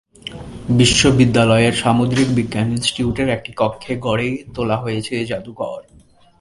বিশ্ববিদ্যালয়ের সামুদ্রিক বিজ্ঞান ইন্সটিটিউটের একটি কক্ষে গড়ে তোলা হয়েছে এ জাদুঘর।